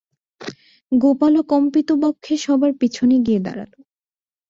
গোপালও কম্পিতবক্ষে সবার পিছনে গিয়ে দাঁড়াল।